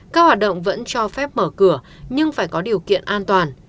các hoạt động vẫn cho phép mở cửa nhưng phải có điều kiện an toàn